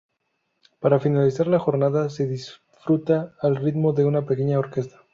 Para finalizar la jornada, se disfruta al ritmo de una pequeña orquesta.